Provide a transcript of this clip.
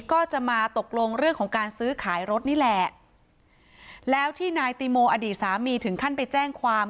ก็จะมาตกลงเรื่องของการซื้อขายรถนี่แหละแล้วที่นายติโมอดีตสามีถึงขั้นไปแจ้งความ